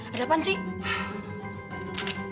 ada apaan sih